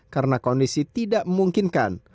karena kondisi tidak memungkinkan